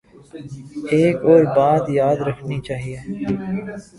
ایک اور بات یاد رکھنی چاہیے۔